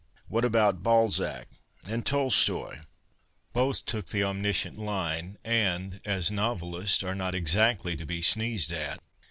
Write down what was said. What about Balzac and Tolstoy ? Both took tlie omniscient line, and, as novelists, are not exactly to be sneezed at."